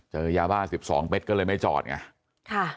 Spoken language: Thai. เจอยาบ้า๑๒เม็ดก็เลยไม่จอดไง